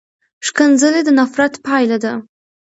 ښکنځلې د نفرت پایله ده.